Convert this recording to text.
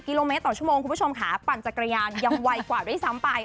กิโลเมตรต่อชั่วโมงคุณผู้ชมค่ะปั่นจักรยานยังไวกว่าด้วยซ้ำไป